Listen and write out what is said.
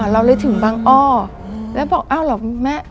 เราเลยถึงบางอ้อแล้วบอกอ้าวเหรอแม่